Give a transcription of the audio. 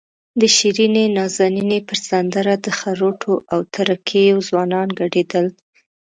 د شیرینې نازنینې پر سندره د خروټو او تره کیو ځوانان ګډېدل.